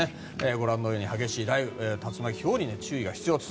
ご覧のように激しい雷雨、竜巻、ひょうに注意が必要と。